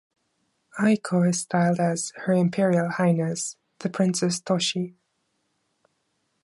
Aiko is styled as "Her Imperial Highness" The Princess Toshi.